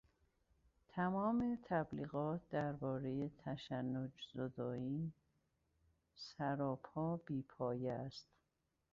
تمام تبلیغات دربارهٔ تشنج زدائی سراپا بی پایه است.